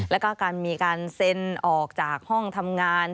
แล้วก็การมีการเซ็นออกจากห้องทำงาน